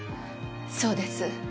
そうです。